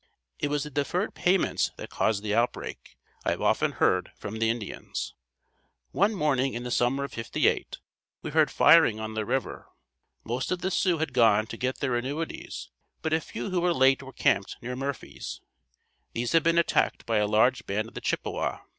It was the deferred payments that caused the outbreak, I have often heard from the Indians. One morning in the summer of '58 we heard firing on the river. Most of the Sioux had gone to get their annuities but a few who were late were camped near Murphy's. These had been attacked by a large band of the Chippewa.